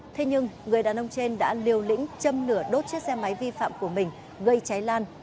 thế nhưng người đàn ông trên đã liều lĩnh châm nửa đốt chiếc xe máy vi phạm của mình gây cháy lan